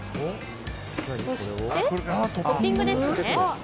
そして、トッピングですね。